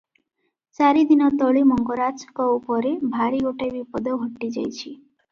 ଚାରିଦିନ ତଳେ ମଙ୍ଗରାଜଙ୍କ ଉପରେ ଭାରି ଗୋଟାଏ ବିପଦ ଘଟିଯାଇଛି ।